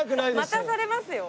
待たされますよ。